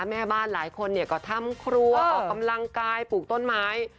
แม่บ้านหลายคนก็ทำครัวออกกำลังกายปลูกต้นไม้